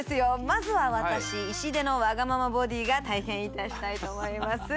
まずは私石出のわがままボディーが体験いたしたいと思います